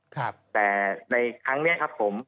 แต่ในครั้งนี้ครับผม